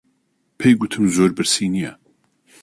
پێی گوتم زۆر برسی نییە.